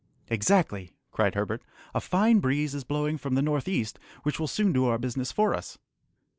"Exactly!" cried Herbert; "a fine breeze is blowing from the north east, which will soon do our business for us."